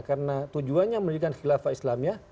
karena tujuannya menurut khilafah islamia